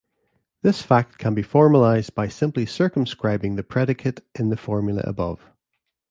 This fact can be formalized by simply circumscribing the predicate in the formula above.